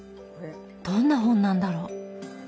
どんな本なんだろう。